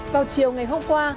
vào chiều ngày hôm qua